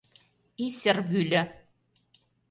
Исыр вӱльӧ!